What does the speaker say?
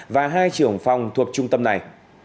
và hai trưởng phòng thuộc trung tâm này